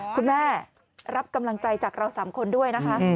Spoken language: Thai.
รับกำลังใจจากเรา๓คนด้วยนะคะ